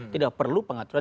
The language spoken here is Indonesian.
tidak perlu pengaturan